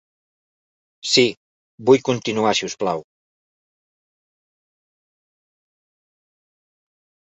Sí, vull continuar si us plau.